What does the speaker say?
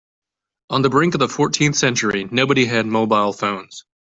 On the brink of the fourteenth century, nobody had mobile phones.